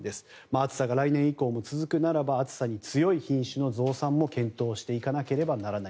暑さが来年以降も続くならば暑さに強い品種の増産も検討してかなければならない。